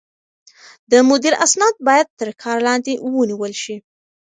د مدير اسناد بايد تر کار لاندې ونيول شي.